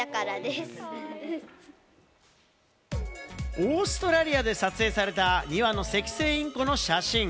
オーストラリアで撮影された２羽のセキセイインコの写真。